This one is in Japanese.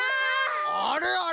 あれあれ？